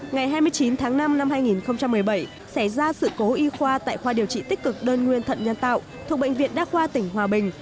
ngày hai mươi chín tháng năm năm hai nghìn một mươi bảy xảy ra sự cố y khoa tại khoa điều trị tích cực đơn nguyên thận nhân tạo thuộc bệnh viện đa khoa tỉnh hòa bình